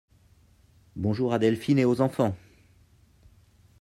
Bonjour à Delphine et aux enfants!